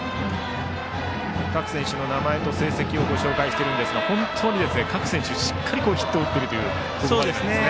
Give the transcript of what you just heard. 各選手の名前と成績をご紹介していますが本当に各選手、しっかりヒットを打っているここまで。